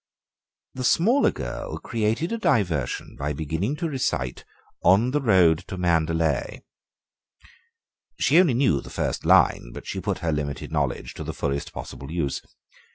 The smaller girl created a diversion by beginning to recite "On the Road to Mandalay." She only knew the first line, but she put her limited knowledge to the fullest possible use.